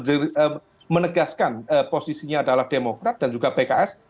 yang menegaskan posisinya adalah demokrat dan juga pks